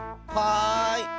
はい。